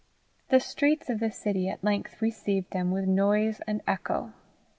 The streets of the city at length received them with noise and echo.